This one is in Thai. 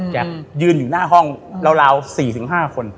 ยืนอยู่หน้าห้องราว๔๕คน